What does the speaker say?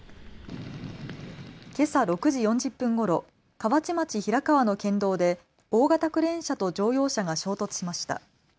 けさ６時４０分ごろ河内町平川の県道で大型クレーン車と乗用車が衝突しました。